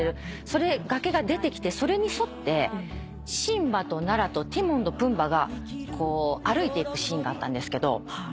崖が出てきてそれに沿ってシンバとナラとティモンとプンバァが歩いていくシーンがあったんですけど